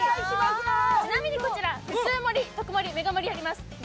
ちなみにこちら、普通盛り、特盛り、メガ盛りあります。